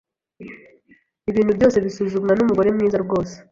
Ibintu byose bisuzumwa, numugore mwiza rwose.